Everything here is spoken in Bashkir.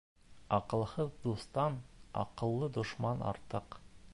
Аҡылһыҙ дуҫтан аҡыллы дошман артыҡ.